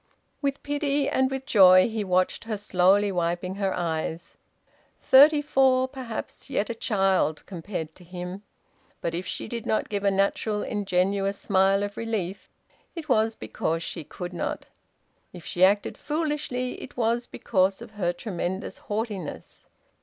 With pity and with joy he watched her slowly wiping her eyes. Thirty four, perhaps; yet a child compared to him! But if she did not give a natural ingenuous smile of relief, it was because she could not. If she acted foolishly it was because of her tremendous haughtiness.